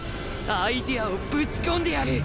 アイデアをぶち込んでやる！